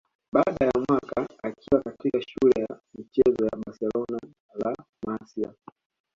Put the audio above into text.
Baada ya mwaka akiwa katika shule ya michezo ya Barcelona La Masia